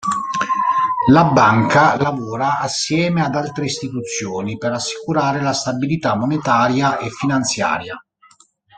La Banca lavora assieme ad altre istituzioni per assicurare la stabilità monetaria e finanziaria.